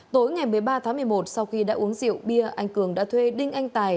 tối ngày một mươi ba tháng một mươi một sau khi đã uống rượu bia anh cường đã thuê đinh anh tài